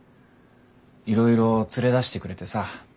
いろいろ連れ出してくれてさ。